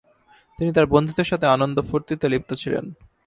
তিনি তার বন্ধুদের সাথে আনন্দ ফুর্তিতে লিপ্ত ছিলেন।